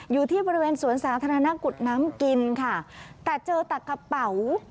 อยู่ที่บริเวณสวนสาธารณะกุดน้ำกินค่ะแต่เจอแต่กระเป๋า